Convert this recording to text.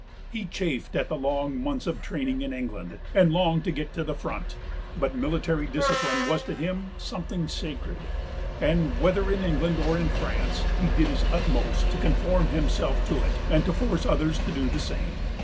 He p. xxiichafed at the long months of training in England and longed to get to the front, but military discipline was to him something sacred and, whether in England or in France, he did his utmost to conform himself to it and to force others to do the same.